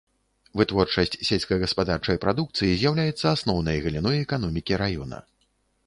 Вытворчасць сельскагаспадарчай прадукцыі з'яўляецца асноўнай галіной эканомікі раёна.